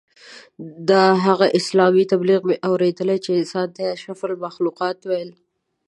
د هغه اسلام تبلیغ مې اورېدلی چې انسان ته یې اشرف المخلوقات ویل.